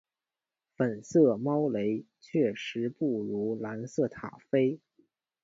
粉色猫雷确实不如蓝色塔菲